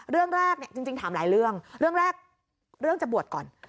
เรื่องแรกเนี่ยจริงถามหลายเรื่องเรื่องแรกเรื่องจะบวชก่อน